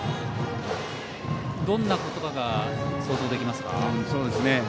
どんな言葉が想像できますか？